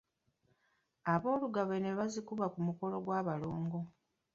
Aboolugave ne bazikuba ku mukolo gw’abalongo.